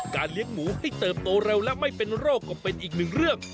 เลี้ยงหมูให้เติบโตเร็วและไม่เป็นโรคก็เป็นอีกหนึ่งเรื่อง